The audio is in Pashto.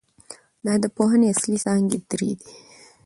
د ادبپوهني اصلي څانګي درې دي.